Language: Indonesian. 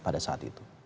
pada saat itu